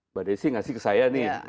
mbak desi ngasih ke saya nih